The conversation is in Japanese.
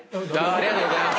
ありがとうございます。